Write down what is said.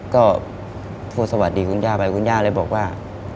ก็โทรสวัสดีคุณย่าไปคุณย่าเลยบอกว่า